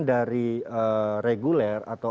dari reguler atau